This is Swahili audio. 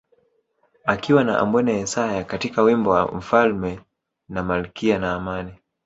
Akiwa na Ambwene Yesaya katika wimbo wa mfalme na malkia na Amani